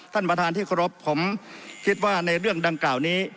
ท่านประธานที่เคารพผมคิดว่าในเรื่องดังกล่าวนี้